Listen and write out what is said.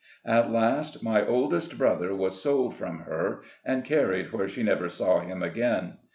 At last, EARLY LIFE. 17 my oldest brother was sold from her, and carried where she never saw him again.